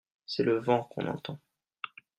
C'est le vent qu'on entend.